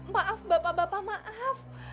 maaf bapak bapak maaf